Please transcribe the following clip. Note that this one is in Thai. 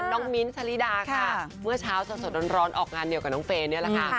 มิ้นท์ชะลิดาค่ะเมื่อเช้าสดร้อนออกงานเดียวกับน้องเฟย์นี่แหละค่ะ